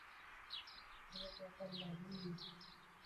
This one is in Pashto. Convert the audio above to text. غله ته غل معلوم وي